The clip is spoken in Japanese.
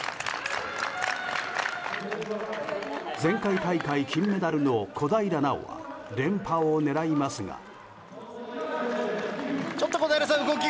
前回大会、金メダルの小平奈緒は連覇を狙いますが。